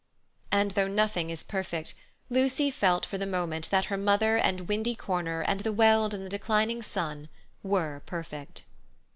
And, though nothing is perfect, Lucy felt for the moment that her mother and Windy Corner and the Weald in the declining sun were perfect.